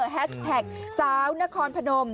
แฮชแท็กสาวนครพนม